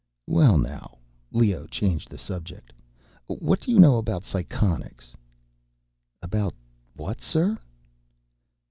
"Well now," Leoh changed the subject, "what do you know about psychonics?" "About what, sir?"